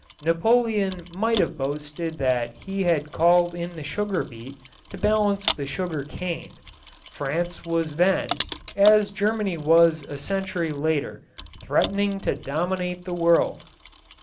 Napoleon might have boasted that he had called in the sugar beet to balance the sugar cane. France was then, as Germany was a century later, threatening to dominate the world.